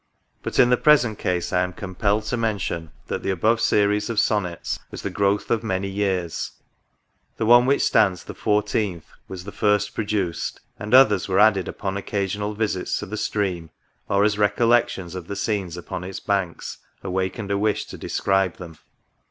But, in the present case, I am compelled to men tion, that the above series of Sonnets was the growth of many years; — the one which stands the 14th was the first produced ; and others were added upon occasional visits to the Stream, or as recollections of the scenes upon its banks awakened a wish to describe them.